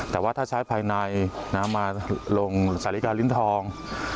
แต่ว่าถ้าใช้ภายในมาลงสาฬิกาลิ้นทอง